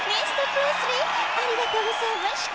プレスリーありがとうございました。